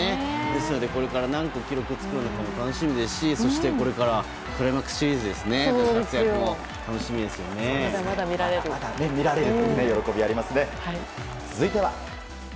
ですので、これから何個記録を作るのかも楽しみですしそして、これからクライマックスシリーズのまだまだ見られるという喜びがありますね。